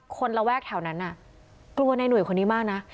ระแวกแถวนั้นน่ะกลัวในห่วยคนนี้มากนะ